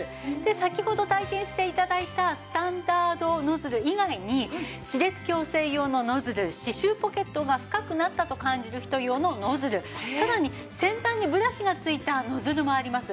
先ほど体験して頂いたスタンダードノズル以外に歯列矯正用のノズル歯周ポケットが深くなったと感じる人用のノズルさらに先端にブラシが付いたノズルもあります。